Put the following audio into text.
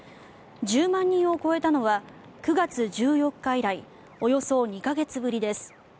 １０万人を超えたのは９月１４日以来およそ２か月ぶりです。